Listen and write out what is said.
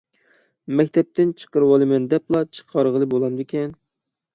مەكتەپتىن چىقىرىۋالىمەن دەپلا چىقارغىلى بولامدىكەن؟